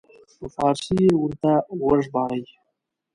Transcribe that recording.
په فارسي یې ورته وژباړي.